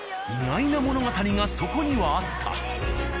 意外な物語がそこにはあった。